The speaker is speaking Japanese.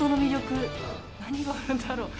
何があるんだろう？